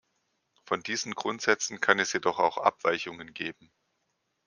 Von diesen Grundsätzen kann es jedoch auch Abweichungen geben.